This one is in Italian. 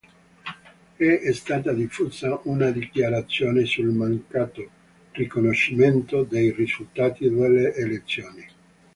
È stata diffusa una dichiarazione sul mancato riconoscimento dei risultati delle elezioni.